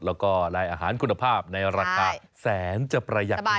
แล้วก็ได้อาหารคุณภาพในราคาแสนจับระยะจริง